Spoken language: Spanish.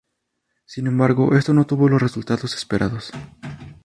Sin embargo, esto no tuvo los resultados esperados.